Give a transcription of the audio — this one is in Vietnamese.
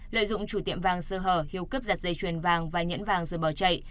lợi dụng chủ tiệm vàng sơ hở hiếu cướp giật dây chuyền vàng và nhẫn vàng rồi bỏ chạy